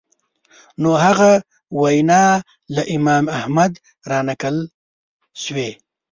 نو هغه وینا له امام احمد رانقل شوې